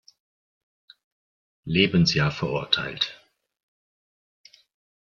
Lebensjahr verurteilt.